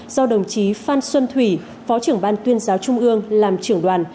do đồng chí phan xuân thủy phó trưởng ban tuyên giáo trung ương làm trưởng đoàn